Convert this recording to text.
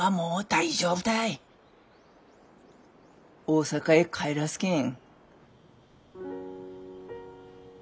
大阪へ帰らすけん。